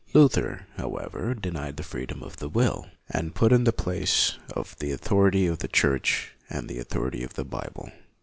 Luther, however, denied the freedom of the will, and put in the place of the authority of the Church the author ity of the Bible.